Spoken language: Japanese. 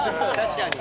確かに。